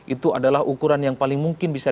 itu adalah ukuran yang paling mungkin bisa